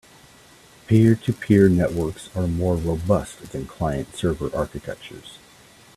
Peer-to-peer networks are more robust than client-server architectures.